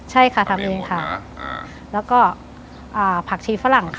ใช่ค่ะทำเองทำเองหมดนะอ่าแล้วก็อ่าผักชีฝรั่งค่ะ